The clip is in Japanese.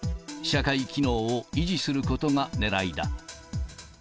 社会機能を維持することがねらいだ。